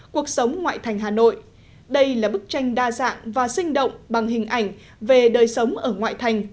cuộc sống ngoại thành hà nội đây là bức tranh đa dạng và sinh động bằng hình ảnh về đời sống ở ngoại thành